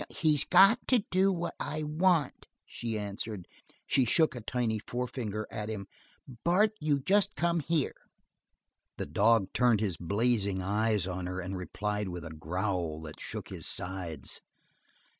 "He's got to do what I want," she answered. She shook a tiny forefinger at him. "Bart, you just come here!" The dog turned his blazing eyes on her and replied with a growl that shook his sides.